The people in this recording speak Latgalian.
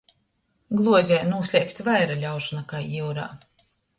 Gluozē nūsleikst vaira ļaužu nakai jiurā.